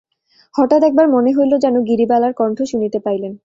হঠাৎ একবার মনে হইল যেন গিরিবালার কন্ঠ শুনিতে পাইলেন!